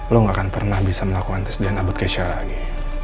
lo gak akan pernah bisa melakukan tes dna buat keisha lagi